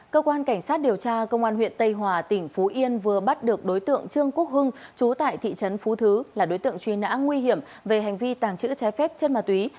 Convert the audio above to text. cơ quan cảnh sát điều tra công an huyện tây hòa tỉnh phú yên vừa bắt được đối tượng trương quốc hưng chú tại thị trấn phú thứ là đối tượng truy nã nguy hiểm về hành vi tàng trữ trái phép chất ma túy